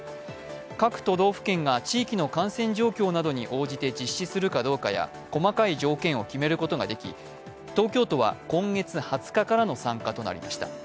各都道府県が地域の感染状況などに応じて実施するかどうかや細かい条件を決めることができ、東京都は、今月２０日からの参加となりました。